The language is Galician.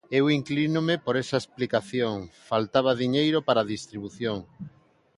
Eu inclínome por esa explicación: faltaba diñeiro para a distribución.